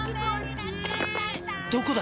どこだ？